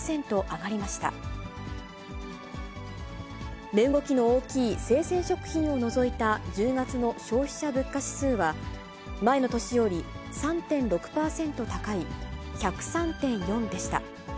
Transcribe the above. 値動きの大きい生鮮食品を除いた１０月の消費者物価指数は、前の年より３．６％高い、１０３．４でした。